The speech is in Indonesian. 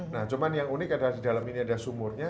nah cuman yang unik adalah di dalam ini ada sumurnya